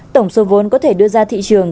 tổng số vốn có thể đưa ra thị trường